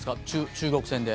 中国戦で。